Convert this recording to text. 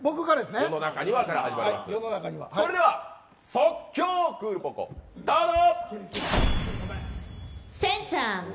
それでは即興クールポコスタート。